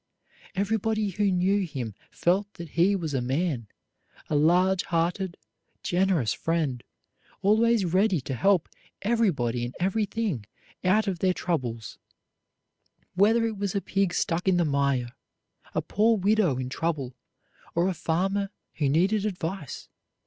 Everybody who knew him felt that he was a man, a large hearted, generous friend, always ready to help everybody and everything out of their troubles, whether it was a pig stuck in the mire, a poor widow in trouble, or a farmer who needed advice.